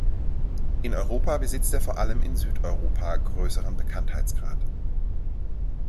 In Europa besitzt er vor allem in Südeuropa größeren Bekanntheitsgrad.